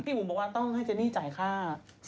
บุ๋มบอกว่าต้องให้เจนี่จ่ายค่า